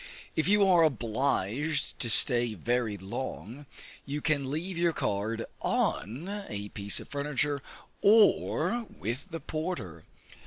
If you are obliged to stay very long, you can leave your card on a piece of furniture or with the porter.